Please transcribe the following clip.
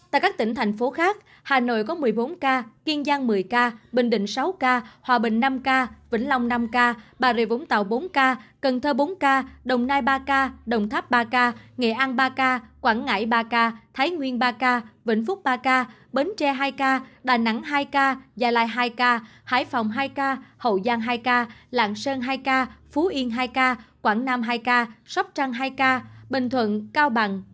tại tp hcm hà nội có một mươi bốn ca kiên giang một mươi ca bình định sáu ca hòa bình năm ca vĩnh long năm ca bà rịa vũng tàu bốn ca cần thơ bốn ca đồng nai ba ca đồng tháp ba ca nghệ an ba ca quảng ngãi ba ca thái nguyên ba ca vĩnh phúc ba ca bến tre hai ca đà nẵng hai ca gia lai hai ca hải phòng hai ca hậu giang hai ca lạng sơn hai ca phú yên hai ca quảng nam hai ca sóc trăng hai ca bình thuận hai ca hà nội hai ca hà nội hai ca hà nội hai ca hà nội hai ca hà nội hai ca hà